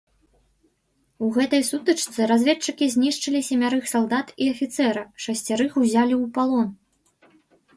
У гэтай сутычцы разведчыкі знішчылі семярых салдат і афіцэра, шасцярых ўзялі ў палон.